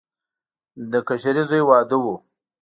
د کشري زوی واده و.